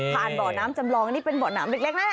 ทาซานเบาะน้ำจำลองนี่เป็นเบาะน้ำเด็กน่ะ